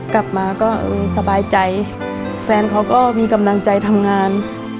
กลับมาก็เออสบายใจแฟนเขาก็มีกำลังใจทำงาน